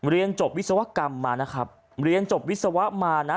เรียนจบวิศวกรรมมานะครับเรียนจบวิศวะมานะ